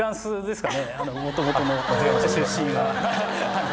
もともとの出身は。